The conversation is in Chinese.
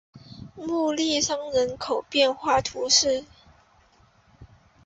穆利桑人口变化图示